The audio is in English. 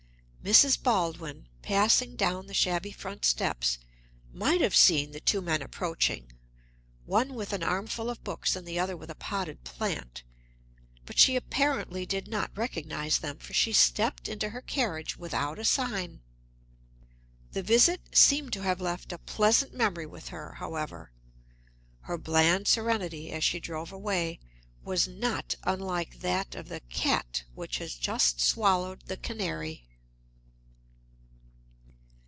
Mrs. Baldwin, passing down the shabby front steps, might have seen the two men approaching, one with an armful of books and the other with a potted plant; but she apparently did not recognize them, for she stepped into her carriage without a sign. The visit seemed to have left a pleasant memory with her, however; her bland serenity, as she drove away, was not unlike that of the cat which has just swallowed the canary.